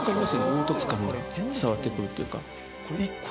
凹凸感が伝わってくるっていうか。